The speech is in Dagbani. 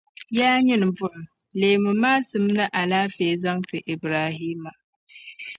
Yaa nyini buɣum! Leemi maasim ni alaafee n-zaŋ ti Ibrahima.